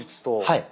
はい。